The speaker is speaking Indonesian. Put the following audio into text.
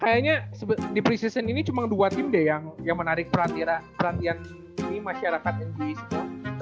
kayaknya di preseason ini cuma dua tim deh yang menarik perhatian masyarakat nba sekarang